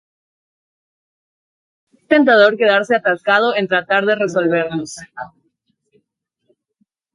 Es tentador quedarse atascado en tratar de resolverlos.